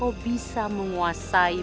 kau bisa menguasai